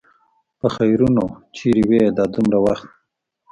پخيرونو! چېرې وې دا دومره وخت؟